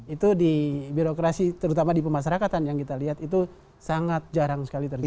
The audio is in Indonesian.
itu di birokrasi terutama di pemasarakatan yang kita lihat itu sangat jarang sekali terjadi